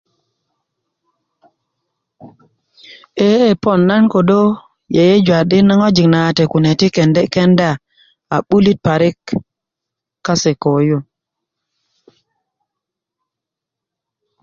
e e pon nan kodo yeyeju adi ŋwajik nawate kune ti kendi kenda a 'bulit parik kase ko yu